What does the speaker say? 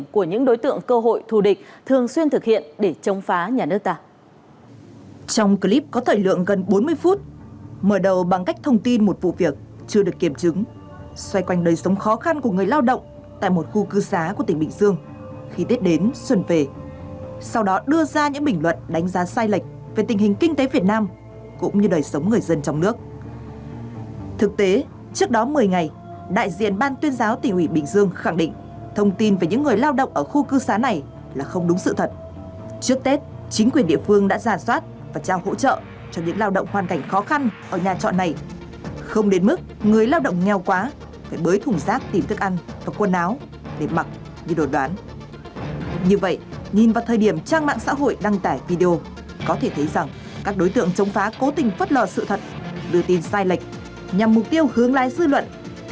các đối tượng chống phá cố tình phất lò sự thật đưa tin sai lệch nhằm mục tiêu hướng lại dư luận tin theo thông tin sai để kêu sai sự việc